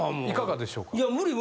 いかがでしょうか？